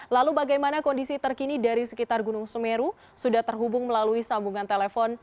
lalu bagaimana kondisi terkini dari sekitar gunung semeru sudah terhubung melalui sambungan telepon